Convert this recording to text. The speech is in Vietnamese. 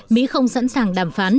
mỹ không sẵn sàng đàm phán